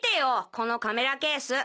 このカメラケース。